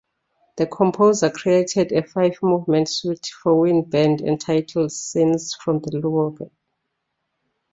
The composer created a five-movement suite for wind band entitled "Scenes from The Louvre".